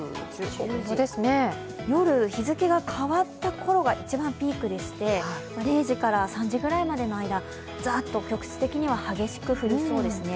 夜、日付が変わったころが一番ピークでして、０時から３時ぐらいまでの間、ざっと局地的には激しく降りそうですね。